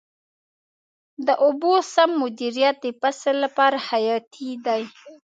د اوبو سم مدیریت د فصل لپاره حیاتي دی.